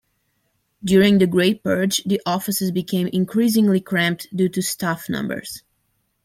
During the Great Purge, the offices became increasingly cramped due to staff numbers.